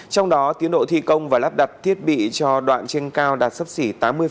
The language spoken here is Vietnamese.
trong đó tiến độ thi công và lắp đặt thiết bị cho đoạn trên cao đạt sấp xỉ tám mươi